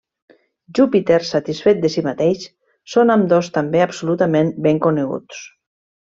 Júpiter satisfet de si mateix, són ambdós també absolutament ben coneguts.